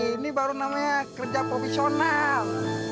ini baru namanya kerja profesional